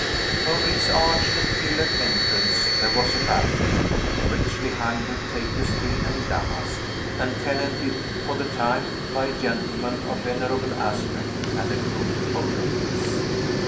Over its arched and pillared entrance there was a balcony, richly hung with tapestry and damask, and tenanted, for the time, by a gentleman of venerable aspect and a group of ladies.